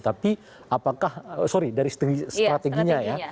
tapi apakah sorry dari strateginya ya